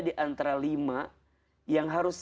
di antara lima yang harus